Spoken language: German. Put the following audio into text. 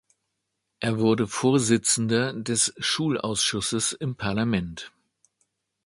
Er wurde Vorsitzender des Schulausschusses im Parlament.